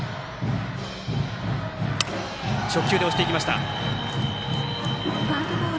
直球で押していきました。